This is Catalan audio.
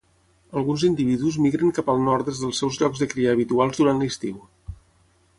Alguns individus migren cap al nord des dels seus llocs de cria habituals durant l'estiu.